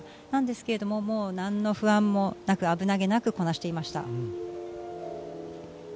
なんですけれども何の不安もなく、危なげなくこなしていました。